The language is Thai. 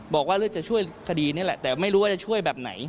บอกว่าเลือกจะช่วยคดีนี่แหละแต่ไม่รู้ว่าจะช่วยแบบไหน